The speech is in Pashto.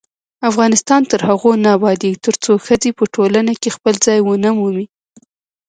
افغانستان تر هغو نه ابادیږي، ترڅو ښځې په ټولنه کې خپل ځای ونه مومي.